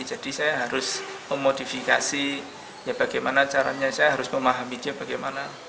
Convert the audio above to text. jadi saya harus memodifikasinya bagaimana caranya saya harus memahami dia bagaimana